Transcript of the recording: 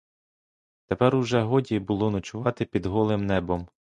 Тепер уже годі було ночувати під голим небом.